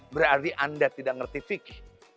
berarti anda tidak ngerti fikir